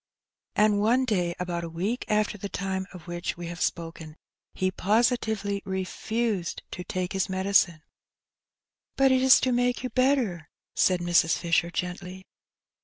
And one day, about a week after the time of which we have spoken, he positively refused to take his medicine. Life at the Farm. 225 *' But it is to make you better/' said Mrs. Fisher gently.